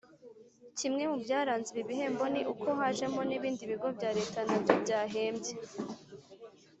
Kimwe mu byaranze ibi bihembo ni uko hajemo n ibindi bigo bya Leta nabyo byahembye